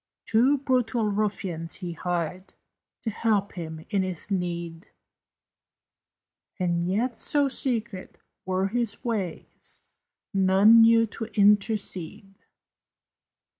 Two brutal ruffians he hired To help him in his need; And yet, so secret were his ways, None knew to intercede.